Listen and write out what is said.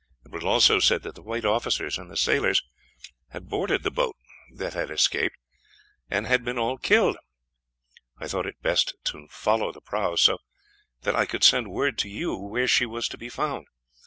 It was also said that the white officers and sailors had boarded the boat that had escaped, and had been all killed. I thought it best to follow the prahu, so that I could send word to you where she was to be found.